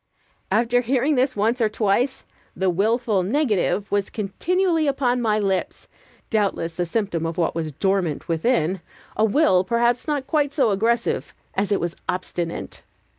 '" After bearing this once or twice, the willful negative was continually upon my lips; doubtless a symptom of what was dormant within a will perhaps not quite so aggressive as it was obstinate.